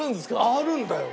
あるんだよ。